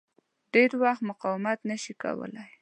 ډېر وخت مقاومت نه شي کولای.